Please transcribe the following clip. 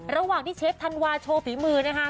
ระหว่างที่เชฟธันวาโชว์ฝีมือนะคะ